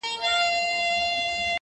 ډنبار، پر دې برسېره -